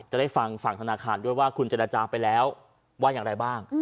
จะได้ฟังฝั่งธนาคารด้วยว่าคุณเจรจาไปแล้วว่าอย่างไรบ้าง